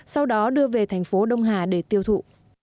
sau đó đưa về thành phố đông hà để tiêu thụ